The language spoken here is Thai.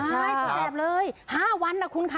ใช่สุดแสบเลย๕วันนะคุณค่ะ